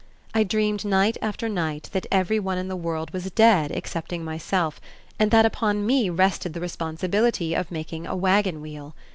I dreamed night after night that every one in the world was dead excepting myself, and that upon me rested the responsibility of making a wagon wheel.